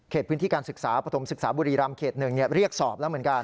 พื้นที่การศึกษาปฐมศึกษาบุรีรำเขต๑เรียกสอบแล้วเหมือนกัน